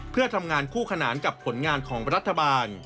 เพื่อทำงานคู่ขนานกับผลงานของรัฐบาล